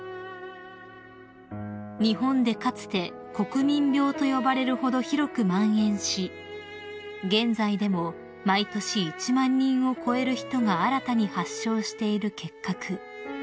［日本でかつて国民病と呼ばれるほど広くまん延し現在でも毎年１万人を超える人が新たに発症している結核］